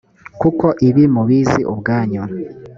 kuko ibi mubizi ubwanyu